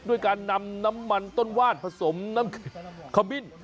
ด้วยการนำน้ำมันต้นว่านผสมน้ำขมิ้น